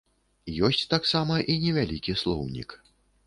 Ёсць таксама і невялікі слоўнік.